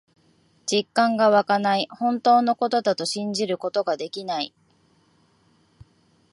実感がわかない。本当のことだと信じることができない。